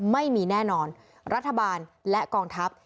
ไม่มีแน่นอนรัฐบาลและกองทัพ